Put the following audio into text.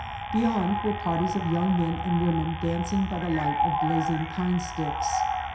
Beyond were parties of young men and wom^n dancing by the light of blazing pine sticks.